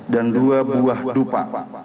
dan dua buah dupa